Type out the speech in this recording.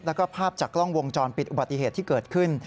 แล้วก็ภาพจากกล้องวงจรปิดอุบัติเหตุที่เกิดขึ้น